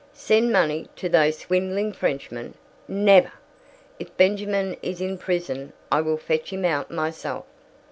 "Send money to those swindling Frenchmen? Never! If Benjamin is in prison I will fetch him out myself."